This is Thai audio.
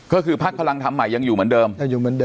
ก็คือพักพลังธรรมใหม่ยังอยู่เหมือนเดิมยังอยู่เหมือนเดิ